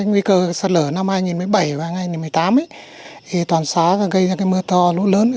nguy cơ sạt lở năm hai nghìn một mươi bảy và hai nghìn một mươi tám thì toàn xã gây ra mưa to lũ lớn